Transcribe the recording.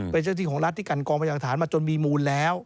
ไปจากที่ของรัฐที่กันกองไปจากฐานมาจนมีมูลแล้ว